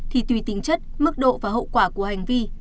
thì tùy tính chất mức độ và hậu quả của hành vi